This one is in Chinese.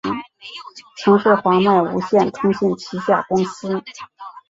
曾是华脉无线通信旗下公司。